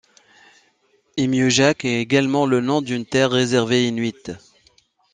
Umiujaq est également le nom d'une terre réservée inuit.